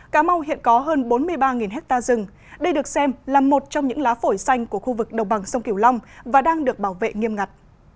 cà mau hiện có hơn bốn mươi ba ha rừng đây được xem là một trong những lá phổi xanh của khu vực đồng bằng sông kiểu long và đang được bảo vệ nghiêm ngặt